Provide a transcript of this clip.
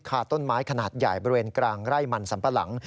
ต้นไม้ขนาดใหญ่บริเวณกลางไร่มันสัมปะหลัง